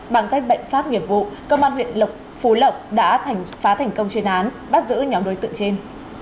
bằng cách bệnh pháp nghiệp vụ công an huyện phú lộc đã phá thành công chuyên án bắt giữ nhóm đối tượng trên